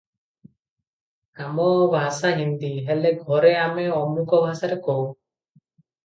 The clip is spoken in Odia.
ଆମ ଭାଷା ହିନ୍ଦୀ, ହେଲେ ଘରେ ଆମେ ଅମୁକ ଭାଷାରେ କହୁ ।